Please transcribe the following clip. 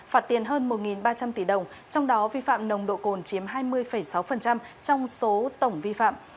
phạt tiền hơn một ba trăm linh tỷ đồng trong đó vi phạm nồng độ cồn chiếm hai mươi sáu trong số tổng vi phạm